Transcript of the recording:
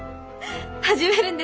始めるんですか？